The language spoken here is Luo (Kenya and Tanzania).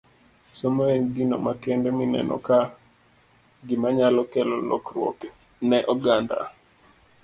Somo en gino makende mineno ka gima nyalo kelo lokruok ne oganda